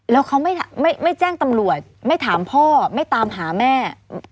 แล้วเขาไม่แจ้งตำรวจไม่ถามพ่อไม่ตามหาแม่